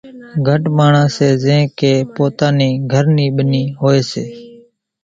گھٽ ماڻۿان سي زين ڪنين پوتا نِي گھر نِي ٻنِي هوئيَ سي۔